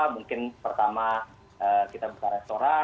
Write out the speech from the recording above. mungkin pertama kita buka restoran